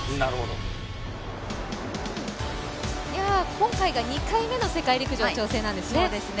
今回が２回目の世界陸上の挑戦なんですね。